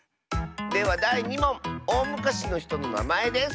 ではだい２もんおおむかしのひとのなまえです。